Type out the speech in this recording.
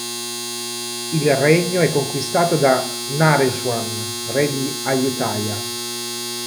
Il regno è conquistato da Naresuan, re di Ayutthaya.